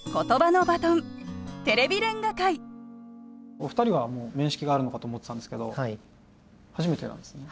お二人は面識があるのかと思ってたんですけど初めてなんですね。